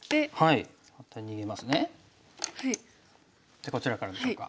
でこちらからでしょうか。